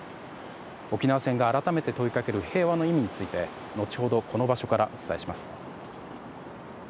沖縄戦が改めて問いかける平和の意味について後ほど、この場所からお伝えします。